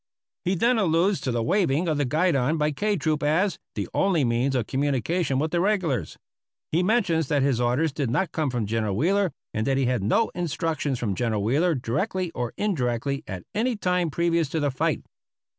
He then alludes to the waving of the guidon by K Troop as "the only means of communication with the regulars." He mentions that his orders did not come from General Wheeler, and that he had no instructions from General Wheeler directly or indirectly at any time previous to the fight.